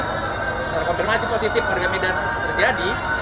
secara konfirmasi positif warga medan terjadi